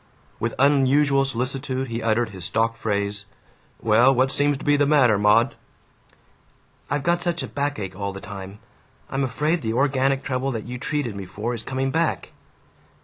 With unusual solicitude he uttered his stock phrase, "Well, what seems to be the matter, Maud?" "I've got such a backache all the time. I'm afraid the organic trouble that you treated me for is coming back."